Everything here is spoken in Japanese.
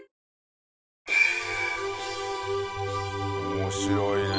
面白いねえ。